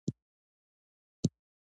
د فیشن صنعت په افغانستان کې شته؟